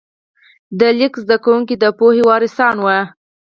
د لیک زده کوونکي د پوهې وارثان وو.